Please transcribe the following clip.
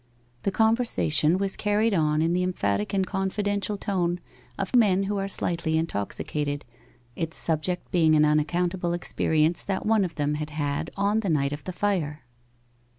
The conversation was carried on in the emphatic and confidential tone of men who are slightly intoxicated, its subject being an unaccountable experience that one of them had had on the night of the fire.